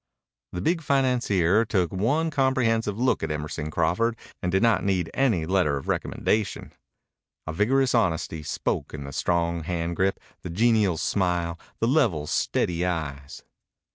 The big financier took one comprehensive look at Emerson Crawford and did not need any letter of recommendation. A vigorous honesty spoke in the strong hand grip, the genial smile, the level, steady eyes.